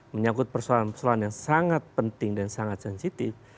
menyangkut persoalan persoalan yang sangat penting dan sangat sensitif